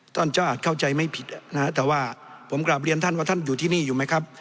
ท่านเจ้าอาจเข้าใจไม่ผิดนะฮะแต่ว่าผมกลับเรียนท่านว่าท่านอยู่ที่นี่อยู่ไหมครับ